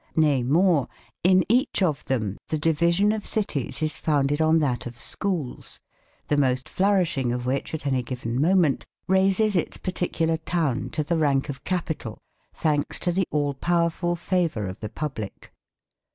Nay, more, in each of them the division of cities is founded on that of schools, the most flourishing of which, at any given moment, raises its particular town to the rank of capital, thanks to the all powerful favour of the public.